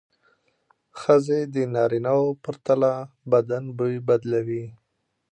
ښځې د نارینه وو پرتله بدن بوی بدلوي.